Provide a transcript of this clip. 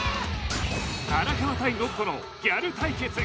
荒川対信子のギャル対決